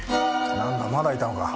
何だまだいたのか。